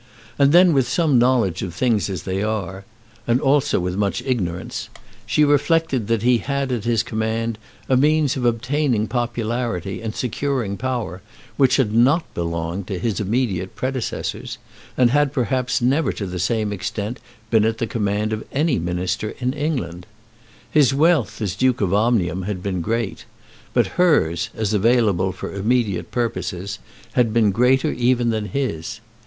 And then with some knowledge of things as they are, and also with much ignorance, she reflected that he had at his command a means of obtaining popularity and securing power, which had not belonged to his immediate predecessors, and had perhaps never to the same extent been at the command of any minister in England. His wealth as Duke of Omnium had been great; but hers, as available for immediate purposes, had been greater even than his.